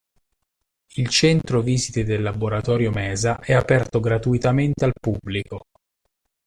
Il centro visite del Laboratorio Mesa è aperto gratuitamente al pubblico.